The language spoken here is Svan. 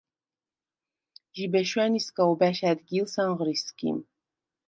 ჟიბე შვა̈ნისგა ობა̈შ ა̈დგილს ანღრი სგიმ.